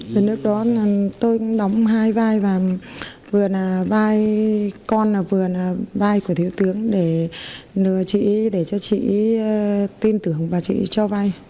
về nước đó tôi đóng hai vai vừa là vai con vừa là vai của thiếu tướng để lừa chị để cho chị tin tưởng và chị cho vai